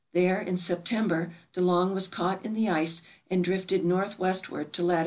There, in September, De Long was caught in the ice and drifted northwestward to lat.